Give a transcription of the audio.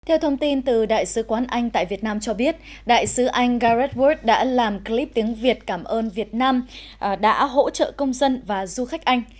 theo thông tin từ đại sứ quán anh tại việt nam cho biết đại sứ anh gareth wood đã làm clip tiếng việt cảm ơn việt nam đã hỗ trợ công dân và du khách anh